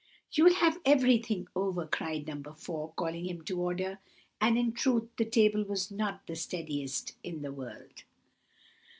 "You'll have everything over," cried No. 4, calling him to order; and in truth the table was not the steadiest in the world.